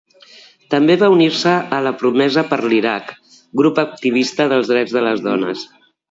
També va unir-se a La Promesa per l'Iraq, grup activista dels drets de les dones.